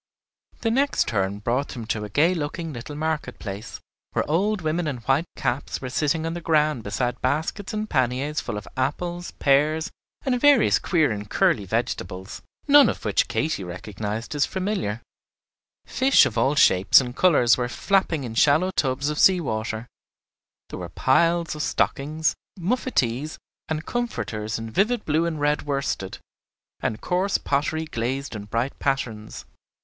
The next turn brought them to a gay looking little market place, where old women in white caps were sitting on the ground beside baskets and panniers full of apples, pears, and various queer and curly vegetables, none of which Katy recognized as familiar; fish of all shapes and colors were flapping in shallow tubs of sea water; there were piles of stockings, muffetees, and comforters in vivid blue and red worsted, and coarse pottery glazed in bright patterns.